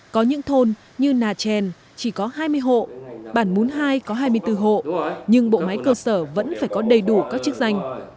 có những thôn như nà trèn chỉ có hai mươi hộ bản mún hai có hai mươi bốn hộ nhưng bộ máy cơ sở vẫn phải có đầy đủ các chức danh